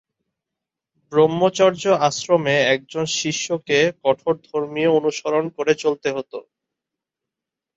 ব্রহ্মচর্য আশ্রমে একজন শিষ্যকে কঠোর ধর্মীয় অনুসরন করে চলতে হত।